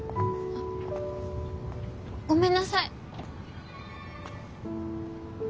あごめんなさい。